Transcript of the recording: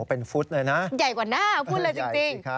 เป็นฟุตเลยนะใหญ่กว่าหน้าพูดเลยจริง